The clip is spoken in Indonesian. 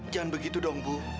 jangan begitu dong bu